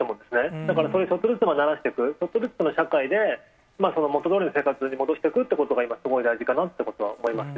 だからちょっとずつ慣らしていく、ちょっとずつ社会で、元どおりの生活に戻していくということが今、すごい大事かなって思いますね。